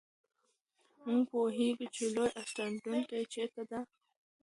موږ پوهېږو چې لوی اسټروېډونه چیرته دي.